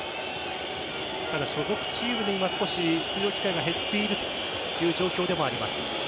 ただ、所属チームでは今、少し出場機会が減っているという状況でもあります。